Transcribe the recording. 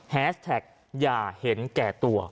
แฮสแท็กอย่าเห็นแก่ตัว